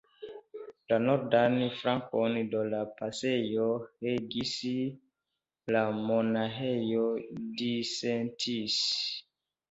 La nordan flankon de la pasejo regis la Monaĥejo Disentis.